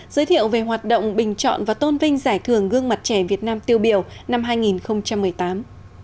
giới thiệu về hoạt động bình chọn và tôn vinh giải thưởng gương mặt trẻ việt nam tiêu biểu năm hai nghìn một mươi tám